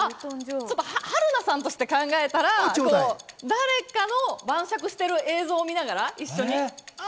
春菜さんとして考えたら、誰かの晩酌をしてる映像を見ながら一緒に？